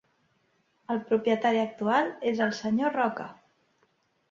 El propietari actual és el senyor Roca.